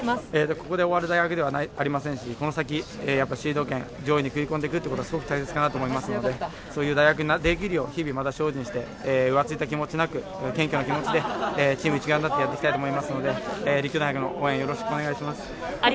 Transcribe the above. ここで終わりなわけではありませんし、この先、シード権、上位に食い込んでいくのは大切かなと思いますので、そういう大学になっていくよう日々精進して、浮ついた気持ちなく、謙虚な気持ちでチーム一丸となってやっていきたいと思いますので、応援よろしくお願いします。